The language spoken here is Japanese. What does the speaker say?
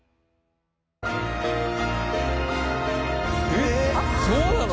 えっそうなの？